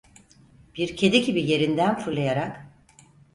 Bir kedi gibi yerinden fırlayarak: